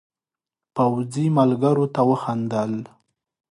پوځي ملګرو ته وخندل.